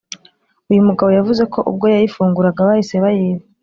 uyu mugabo yavuze ko ubwo yayifunguraga bahise bayiba